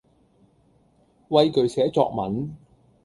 畏懼寫作文